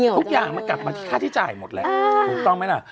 ทุกอย่างมันกลับมาที่ค่าที่จ่ายหมดแหละถูกต้องไหมล่ะ